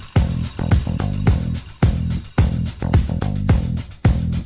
ทำคนเดียวได้นะ